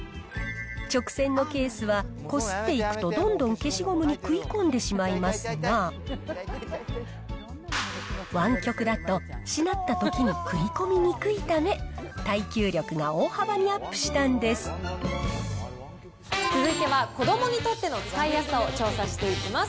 直線のケースは、こすっていくとどんどん消しゴムに食い込んでしまいますが、湾曲だとしなったときに食い込みにくいため、耐久力が大幅にアッ続いては子どもにとっての使いやすさを調査していきます。